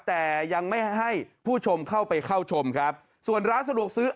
แต่ยังไม่ให้ผู้ชมเข้าไปเข้าชมครับส่วนร้านสะดวกซื้อ